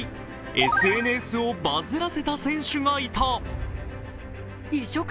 ＳＮＳをバズらせた選手がいた。